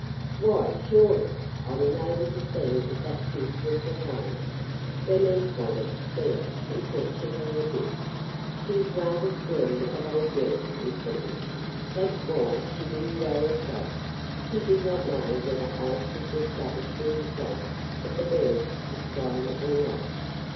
"Why, surely! I went over to see if that kid was at home. Bernice wanted to see her and talk to her a bit. She 's rather scary of old Jerry, is Bernice; that 's why she did n't go herself." He did not know whether Ike had discovered for himself that the birds had flown or not.